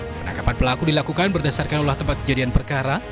penangkapan pelaku dilakukan berdasarkan olah tempat kejadian perkara